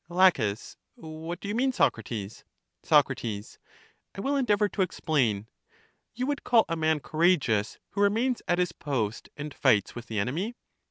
La. What do you mean, Socrates? Soc, I will endeavor to explain; you would call a man courageous, who remains at his post, and fights with the enemy